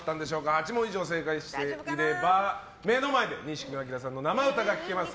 ８問以上正解していれば目の前で錦野旦さんの生歌が聴けます。